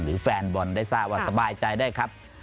แฟนบอลได้ทราบว่าสบายใจได้ครับ